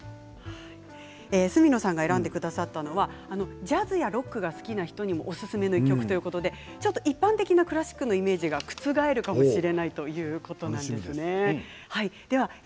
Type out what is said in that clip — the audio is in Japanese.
角野さんが選んでくださったのはジャズやロックが好きな人にもおすすめの１曲ということで一般的なクラシックのイメージが覆るかもしれないということです。